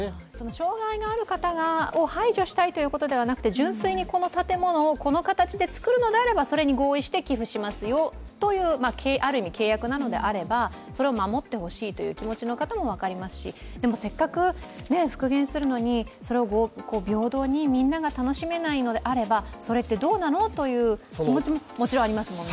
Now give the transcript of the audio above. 障害のある方を排除したいということではなくて、純粋にこの建物をこの形で作るのであればそれに合意して寄付しますよというある意味、契約であるならば、それを守ってほしいという方の気持ちも分かりますし、でもせっかく復元するのに平等にみんなが楽しめないのであれば、それってどうなのという気持ちもありますもんね。